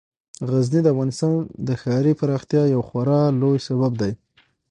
غزني د افغانستان د ښاري پراختیا یو خورا لوی سبب دی.